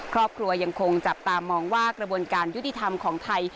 ครอบครัวยังคงจับตามองว่ากระบวนการยุติธรรมของไทย